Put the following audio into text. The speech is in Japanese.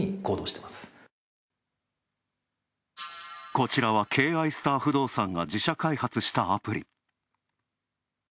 こちらはケーアイスター不動産が自社開発したアプリ。